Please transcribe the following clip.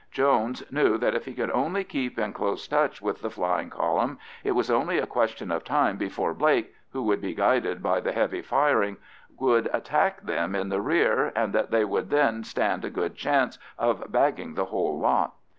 Jones knew that if he could only keep in close touch with the flying column it was only a question of time before Blake, who would be guided by the heavy firing, would attack them in the rear, and that they would then stand a good chance of bagging the whole lot.